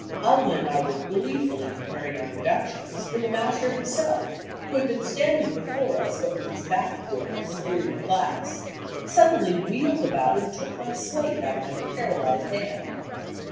Alma and I were glee fully comparing our productions when the master himself, who had been standing before us but with his back toward us, hearing a class, suddenly wheeled about and took my slate out of my paralyzed hand.